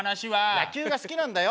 野球が好きなんだよ！